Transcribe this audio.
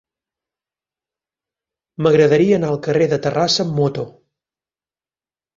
M'agradaria anar al carrer de Terrassa amb moto.